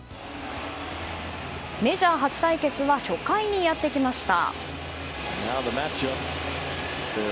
メジャー初対決は初回にやってきました。